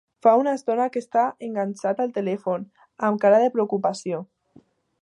Fa una estona que està enganxat al telèfon, amb cara de preocupació.